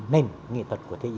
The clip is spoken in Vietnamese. nền nghệ thuật của thế giới